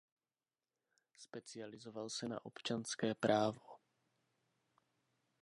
Specializoval se na občanské právo.